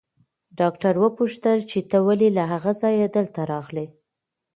ډاکټر وپوښتل چې ته ولې له هغه ځايه دلته راغلې.